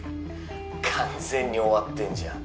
完全に終わってんじゃん